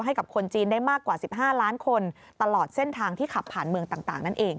ให้กับคนจีนได้มากกว่า๑๕ล้านคนตลอดเส้นทางที่ขับผ่านเมืองต่างนั่นเอง